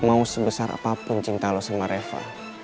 mau sebesar apapun cinta lo sama reva